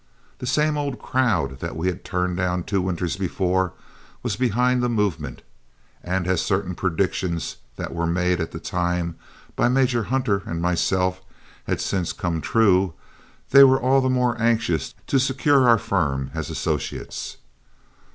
The same old crowd that we had turned down two winters before was behind the movement, and as certain predictions that were made at that time by Major Hunter and myself had since come true, they were all the more anxious to secure our firm as associates.